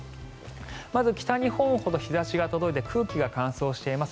まず北日本ほど日差しが届いて空気が乾燥しています。